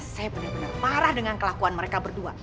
saya bener bener parah dengan kelakuan mereka berdua